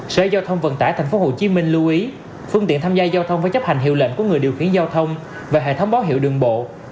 sở giao thông vận tải tp hcm lưu ý phương tiện tham gia giao thông phải chấp hành hiệu lệnh của người điều khiển giao thông và hệ thống báo hiệu đường bộ